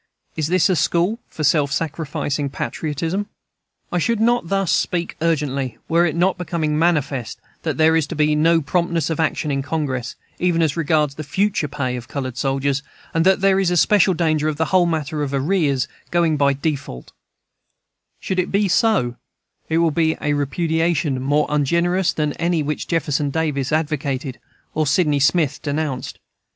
Is this a school for self sacrificing patriotism? I should not speak thus urgently were it not becoming manifest that there is to be no promptness of action in Congress, even as regards the future pay of colored soldiers, and that there is especial danger of the whole matter of arrears going by default Should it be so, it will be a repudiation more ungenerous than any which Jefferson Davis advocated or Sydney Smith denounced.